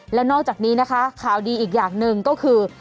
แล้วนอกจากนี้นะคะข่าวดีอีกอย่างหนึ่งก็คือ